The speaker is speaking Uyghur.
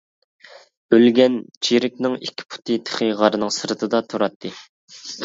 ئۆلگەن چېرىكنىڭ ئىككى پۇتى تېخى غارنىڭ سىرتىدا تۇراتتى.